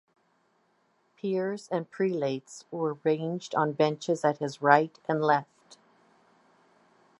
Peers and prelates were ranged on benches at his right and left.